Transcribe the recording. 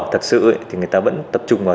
thật sự thì người ta vẫn tập trung vào